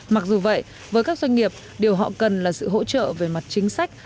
mặc dù vậy với các doanh nghiệp điều họ cần là sự hỗ trợ về mặt chính sách